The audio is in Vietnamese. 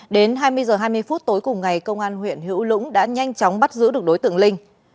đến hai mươi h hai mươi phút tối cùng ngày công an huyện hữu lũng đã nhanh chóng bắt giữ được đối tượng linh